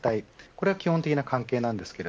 これが基本的な関係です。